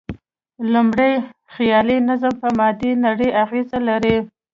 لومړی، خیالي نظم په مادي نړۍ اغېز لري.